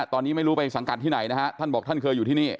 ตอนนี้ไม่รู้ไปสังกัดที่ไหนนะฮะท่านบอกท่านเคยอยู่ที่นี่